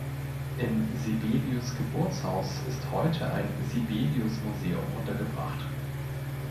In Sibelius’ Geburtshaus ist heute ein Sibelius-Museum untergebracht.